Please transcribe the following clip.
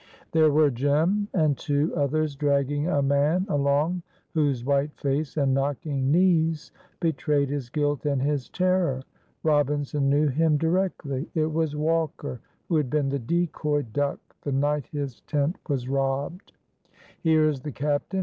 There were Jem and two others dragging a man along whose white face and knocking knees betrayed his guilt and his terror. Robinson knew him directly; it was Walker, who had been the decoy duck the night his tent was robbed. "Here is the captain!